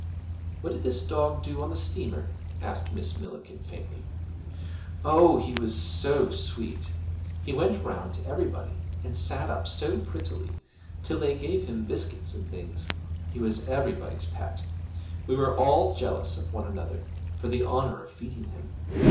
'What did this dog do on the steamer?' asked Miss Millikin faintly. 'Oh, he was so sweet! he went round to everybody, and sat up so prettily till they gave him biscuits and things he was everybody's pet; we were all jealous of one another for the honour of feeding him.